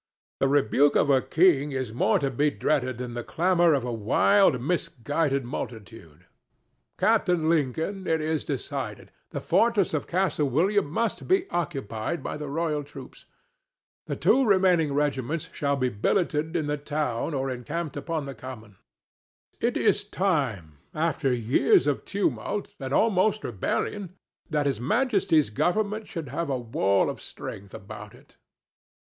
"The rebuke of a king; is more to be dreaded than the clamor of a wild, misguided multitude.—Captain Lincoln, it is decided: the fortress of Castle William must be occupied by the royal troops. The two remaining regiments shall be billeted in the town or encamped upon the Common. It is time, after years of tumult, and almost rebellion, that His Majesty's government should have a wall of strength about it."